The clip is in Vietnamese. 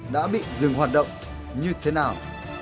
đã bị dừng hoạt động như thế nào